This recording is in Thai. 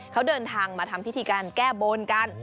เขาเดินทางมาทำพิธีการแก้บนกัน